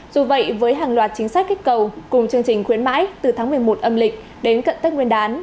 dù vậy với hàng loạt chính sách kích cầu cùng chương trình khuyến mãi từ tháng một mươi một âm lịch đến cận tết nguyên đán